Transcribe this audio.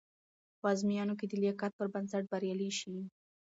په ازموینو کې د لایقت پر بنسټ بریالي شئ.